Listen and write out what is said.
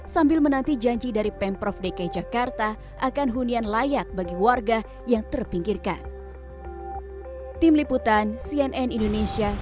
sambil menanti janji dari pemprov dki jakarta akan hunian layak bagi warga yang terpinggirkan